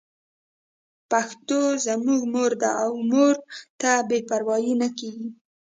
پښتو زموږ مور ده او مور ته بې پروايي نه کېږي.